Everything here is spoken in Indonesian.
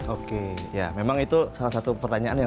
oke ya memang itu salah satu pertanyaan ya